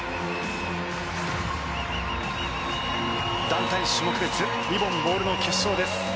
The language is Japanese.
団体種目別リボン・ボールの決勝です。